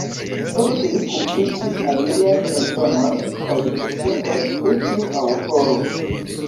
Poste li publikis aliajn eldonojn kaj eseojn pri tiu aŭtoro.